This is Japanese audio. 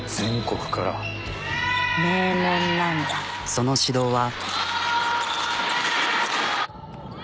その指導は。